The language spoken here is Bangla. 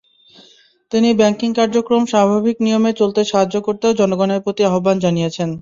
তিনি ব্যাংকিং কার্যক্রম স্বাভাবিক নিয়মে চলতে সাহায্য করতেও জনগণের প্রতি আহ্বান জানিয়েছেন।